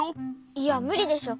いやむりでしょ。